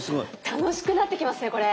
楽しくなってきますねこれ。